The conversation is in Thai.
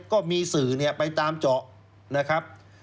ก็มีสื่อไปตามเจาะ